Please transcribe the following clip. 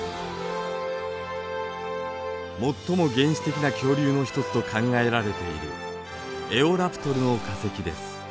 最も原始的な恐竜の一つと考えられているエオラプトルの化石です。